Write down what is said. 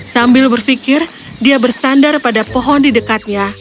sambil berpikir dia bersandar pada pohon di dekatnya